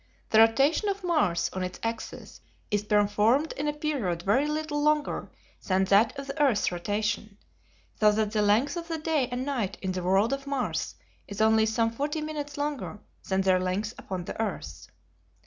The rotation of Mars on its axis is performed in a period very little longer than that of the earth's rotation, so that the length of the day and night in the world of Mars is only some forty minutes longer than their length upon the earth.